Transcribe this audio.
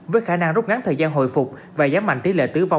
với khả năng rút ngắn thời gian hồi phục và giảm mạnh tỷ lệ tử vong